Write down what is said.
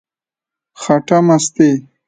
خټه مستې،